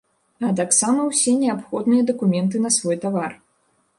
А таксама ўсе неабходныя дакументы на свой тавар.